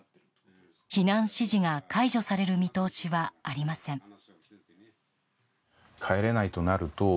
避難指示が解除される見通しはありません。